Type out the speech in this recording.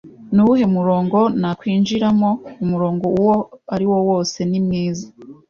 "Ni uwuhe murongo nakwinjiramo?" "Umurongo uwo ari wo wose ni mwiza."